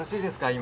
今。